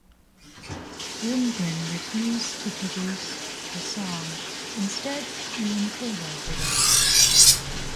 Rundgren refuse to produce the song; instead, Ian Taylor did it.